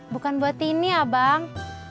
bukan buat tini abang